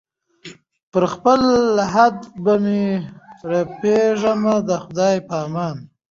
پر خپل لحد به مي رپېږمه د خدای په امان